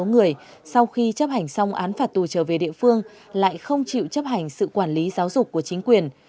người sau khi chấp hành xong án phạt tù trở về địa phương lại không chịu chấp hành sự quản lý giáo dục của chính quyền